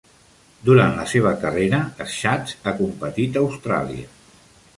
Durant la seva carrera, Schatz ha competit a Austràlia.